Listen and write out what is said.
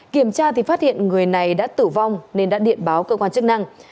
kiểm tra thì phát hiện người này đã tử vong nên đã điện báo cơ quan chức năng